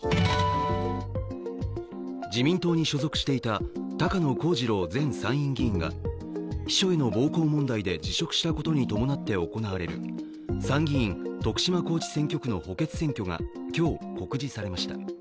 自民党に所属していた高野光二郎前参院議員が秘書への暴行問題で辞職したことに伴って行われる参議院・徳島高知選挙区の補欠選挙が今日告示されました。